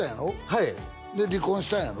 はいで離婚したんやろ？